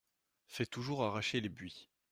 Fais toujours arracher les buis.